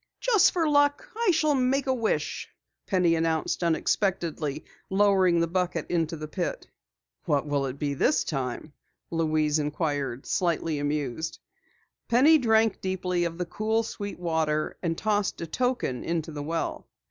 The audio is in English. "Just for luck I shall make a wish!" Penny announced unexpectedly, lowering the bucket into the pit. "What will it be this time?" Louise inquired, slightly amused. Penny drank deeply of the cool, sweet water, and tossed a token into the well.